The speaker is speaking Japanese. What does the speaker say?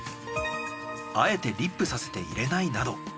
あえてリップさせて入れないなど。